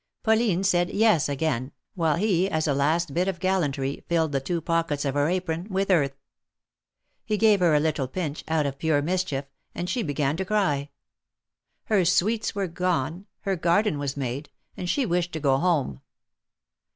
Pauline said " yes," again ; while he, as a last bit of gallantry, filled the two pockets of her apron with earth. He gave her a little pinch, out of pure mischief, and she begau to cry. Her sweets were gone, her garden was made, and she wished to go home.